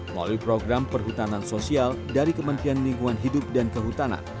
melalui program perhutanan sosial dari kementerian lingkungan hidup dan kehutanan